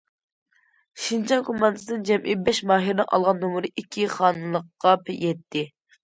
شىنجاڭ كوماندىسىدىن جەمئىي بەش ماھىرنىڭ ئالغان نومۇرى ئىككى خانىلىققا يەتتى.